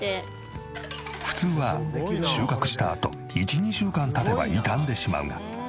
普通は収穫したあと１２週間経てば傷んでしまうが。